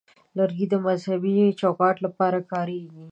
لرګی د مذهبي چوکاټونو لپاره کارېږي.